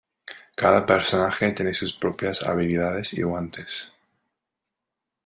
Cada personaje tiene sus propias habilidades y guantes.